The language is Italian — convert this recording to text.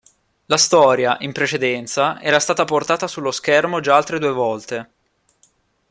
La storia, in precedenza, era stata portata sullo schermo già altre due volte.